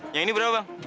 yang ini berapa bang